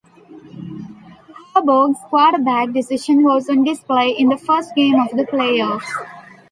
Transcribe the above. Harbaugh's quarterback decision was on display in the first game of the playoffs.